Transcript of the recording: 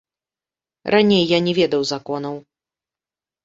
Раней я не ведаў законаў.